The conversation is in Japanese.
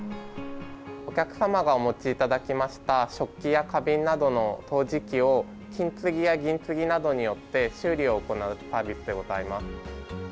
お客様がお持ちいただきました、食器や花瓶などの陶磁器を、金継ぎや銀継ぎなどによって修理を行うサービスでございます。